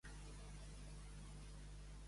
Quin és el nombre d'aquest mot?